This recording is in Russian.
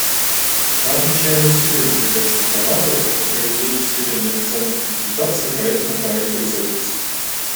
Мы отмечаем усилия делегации Канады по проведению серии неофициальных консультаций по этому проекту резолюции.